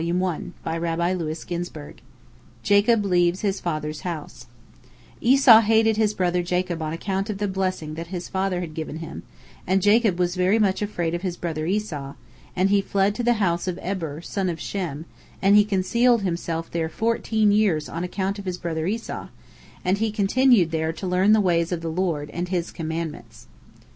JACOB LEAVES HIS FATHER'S HOUSE Esau hated his brother Jacob on account of the blessing that his father had given him, and Jacob was very much afraid of his brother Esau, and he fled to the house of Eber, the son of Shem, and he concealed himself there fourteen years on account of his brother Esau, and he continued there to learn the ways of the Lord and His commandments.